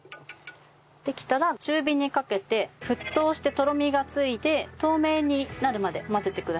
できたら中火にかけて沸騰してとろみがついて透明になるまで混ぜてください。